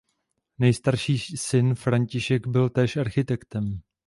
Nejstarší syn František byl též architektem.